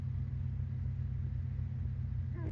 তিনি দ্বিভাষিক এবং ইতালীয় ভাষায় কথা বলতে পারেন।